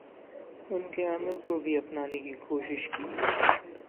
ان کے عمل کو بھی اپنانے کی کوشش کی